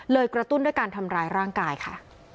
กระตุ้นด้วยการทำร้ายร่างกายค่ะ